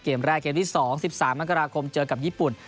เกมแรกเกมที่๒๑๓มกราคมเจอกับญี่ปุ่น